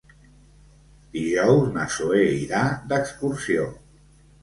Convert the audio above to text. Dijous na Zoè irà d'excursió.